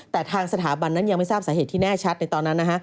แต่ทางสถาบันนั้นยังไม่ทราบสาเหตุที่แน่ชัดในตอนนั้นนะฮะ